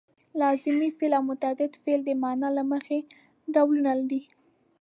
لازمي فعل او متعدي فعل د معنا له مخې ډولونه دي.